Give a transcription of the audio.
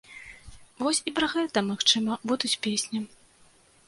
Вось і пра гэта, магчыма, будуць песні.